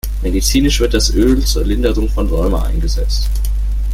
Medizinisch wird das Öl zur Linderung von Rheuma eingesetzt.